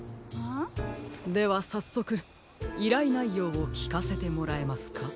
ではさっそくいらいないようをきかせてもらえますか？